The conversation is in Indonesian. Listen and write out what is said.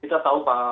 kita tahu pak